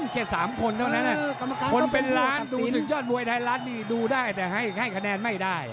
แค่๓คนเท่านั้นคนเป็นล้านดูศึกยอดมวยไทยรัฐนี่ดูได้แต่ให้คะแนนไม่ได้